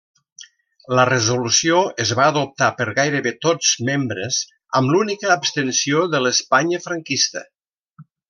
La resolució es va adoptar per gairebé tots membres amb l'única abstenció de l'Espanya franquista.